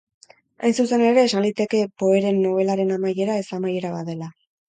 Hain zuzen ere esan liteke Poeren nobelaren amaiera ez-amaiera bat dela.